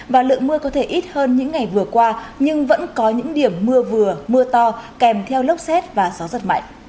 và lượng mưa có thể ít hơn những ngày vừa qua nhưng vẫn có những điểm mưa vừa mưa to kèm theo lốc xét và gió giật mạnh